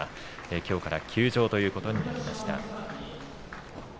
きょうから休場ということになりました。